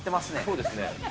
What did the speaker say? そうですね。